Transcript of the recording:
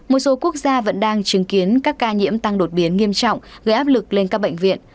một số quốc gia vẫn đang chứng kiến các ca nhiễm tăng đột biến nghiêm trọng gây áp lực lên các bệnh viện